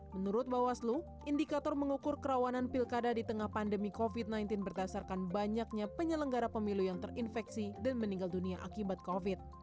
menurut bawaslu indikator mengukur kerawanan pilkada di tengah pandemi covid sembilan belas berdasarkan banyaknya penyelenggara pemilu yang terinfeksi dan meninggal dunia akibat covid